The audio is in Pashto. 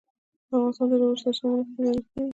افغانستان د ژورې سرچینې له مخې پېژندل کېږي.